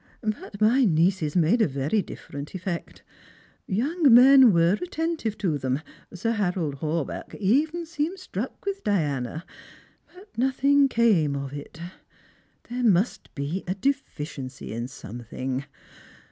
But my nieces made a very different effect. Young men were attentive to them — Sir Harold Haw buck even seemed struck with Diana — but nothing came of it. There must be a deficiency in something.